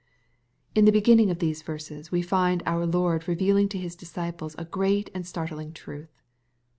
In the beginning of these verses we find our Lord revealing to His disciples a great and startling truth.